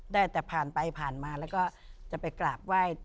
ได้แต่ผ่านไปผ่านมาแล้วก็จะไปกราบไหว้